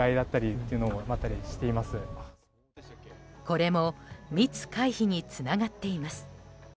これも密回避につながっています。